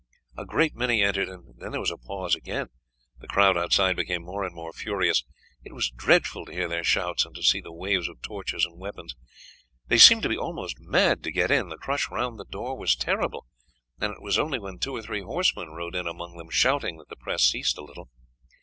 A great many entered and then there was a pause again. The crowd outside became more and more furious; it was dreadful to hear their shouts and to see the waving of torches and weapons. "They seemed to be almost mad to get in. The crush round the door was terrible, and it was only when two or three horsemen rode in among them shouting, that the press ceased a little.